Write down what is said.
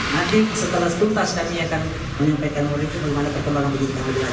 nanti setelah itu tasdami akan menyampaikan mulut ke rumahnya